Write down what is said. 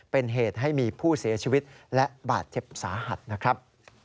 เป็นเหตุให้มีผู้เสียชีวิตและบาดเจ็บสาหัสนะครับ